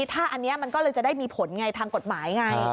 ถ้าอันนี้มันก็เลยจะได้มีผลไงทางกฎหมายไง